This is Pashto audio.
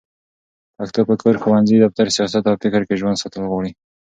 پښتو په کور، ښوونځي، دفتر، سیاست او فکر کې ژوندي ساتل غواړي